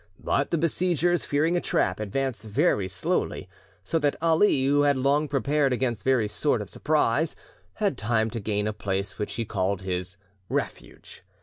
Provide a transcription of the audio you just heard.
But the besiegers, fearing a trap, advanced very slowly; so that Ali, who had long prepared against very sort of surprise, had time to gain a place which he called his "refuge."